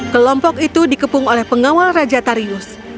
kelompok itu dikepung oleh pengawal raja tarius